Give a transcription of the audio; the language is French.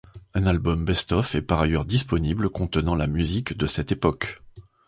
Un album Best Of est par ailleurs disponible contenant la musique de cette époque.